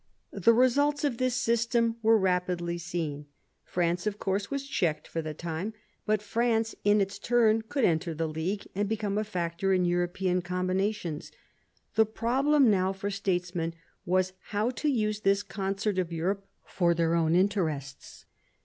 The results of this system were rapidly seen. France, of course, was checked for the time; but France, in its turn, could enter the League and become a factor in European combinations. The problem now for states men was how to use this concert of Europe for their own interests.